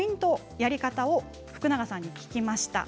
やり方を福永さんに聞きました。